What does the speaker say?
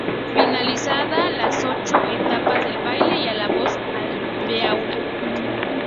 Finalizada las ocho etapas del baile, y a la voz de "aura!